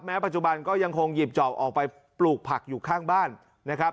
ปัจจุบันก็ยังคงหยิบจอบออกไปปลูกผักอยู่ข้างบ้านนะครับ